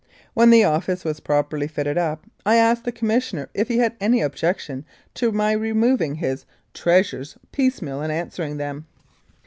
When the office was properly fitted up I asked the Commissioner if he had any objection to my removing his treasures piece 6 1883 84. Regina meal and answering them.